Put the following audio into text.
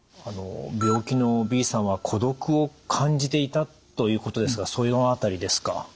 病気のＢさんは孤独を感じていたということですがその辺りですか？